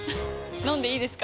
飲んでいいですか？